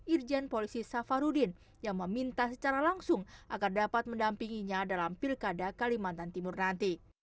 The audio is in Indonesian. irjen polisi safarudin yang meminta secara langsung agar dapat mendampinginya dalam pilkada kalimantan timur nanti